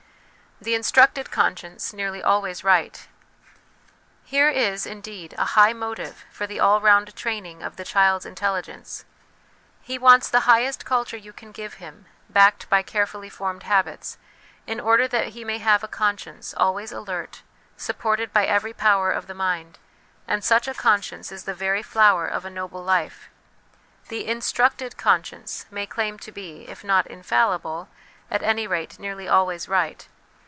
The Instructed Conscience nearly always right. Here is, indeed, a high motive for the all round training of the child's intelligence ; he wants the highest culture you can give him, backed by carefully formed habits, in order that he may have a conscience always alert, supported by every power of the mind ; and such a conscience is the very flower of a noble life. The instructed conscience may claim to be, if not infallible, at anyrate nearly always right.